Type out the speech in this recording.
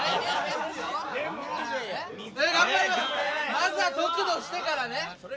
まずは得度してからね。